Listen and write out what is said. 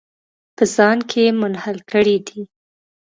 په ځان کې یې منحل کړي دي.